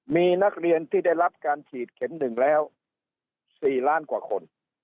มีนักเรียนที่ได้รับการฉีดเข็ม๑แล้ว๔ล้านกว่าคน